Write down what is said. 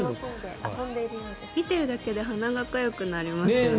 見ているだけで鼻がかゆくなりますよね。